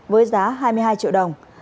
với giá hai mươi hai triệu đồng